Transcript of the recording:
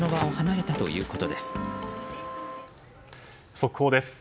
速報です。